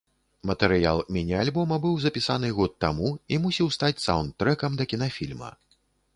Матэрыял міні-альбома быў запісаны год таму і мусіў стаць саўнд-трэкам да кінафільма.